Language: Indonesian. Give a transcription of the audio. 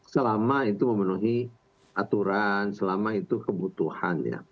selama itu memenuhi aturan selama itu kebutuhan ya